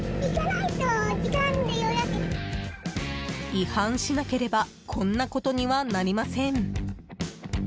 違反しなければこんなことにはなりません。